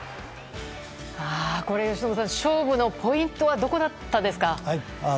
由伸さん、勝負のポイントはどこだったんですか？